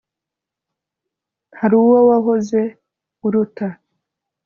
hari uwo wahoze uruta